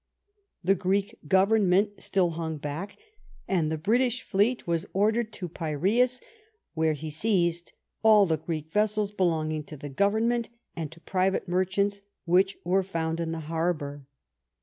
The Greek Government still hung back, and the British fleet was ordered to Piraeus, where he seized all the Greek vessels belonging to the Government and to private mer chants which were found in the harbor.